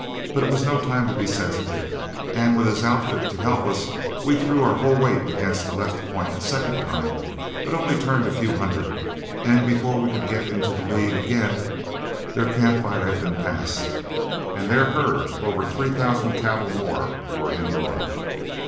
But it was no time to be sensitive, and with his outfit to help we threw our whole weight against the left point a second time, but only turned a few hundred; and before we could get into the lead again their campfire had been passed and their herd of over three thousand cattle more were in the run.